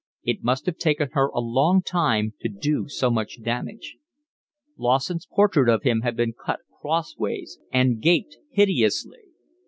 It must have taken her a long time to do so much damage. Lawson's portrait of him had been cut cross ways and gaped hideously.